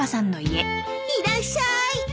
いらっしゃい。